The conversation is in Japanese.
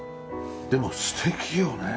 でも素敵よね。